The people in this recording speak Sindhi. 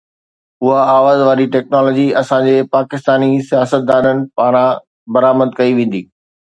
اها آواز واري ٽيڪنالاجي اسان جي پاڪستاني سياستدانن پاران برآمد ڪئي ويندي